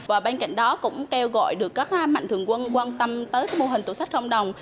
và bên cạnh đó cũng kêu gọi được các mạnh thường quân quan tâm tới mô hình tủ sách không đồng